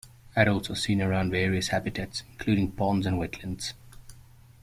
Adults are seen around various habitats including ponds and wetlands.